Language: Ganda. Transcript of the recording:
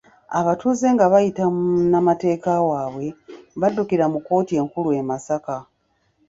Abatuuze nga bayita mu munnateeka waabwe baddukira mu kkooti enkulu e Masaka